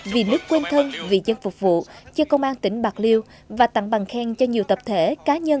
vì nước quên thân vì dân phục vụ cho công an tỉnh bạc liêu và tặng bằng khen cho nhiều tập thể cá nhân